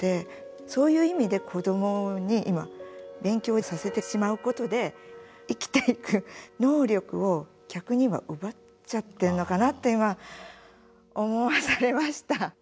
そういう意味で子どもに今勉強をさせてしまうことで生きていく能力を逆に今奪っちゃってんのかなって今思わされました。